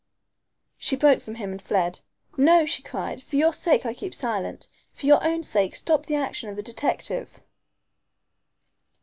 She broke from him and fled. "No," she cried, "for your sake I keep silent. For your own sake stop the action of the detective."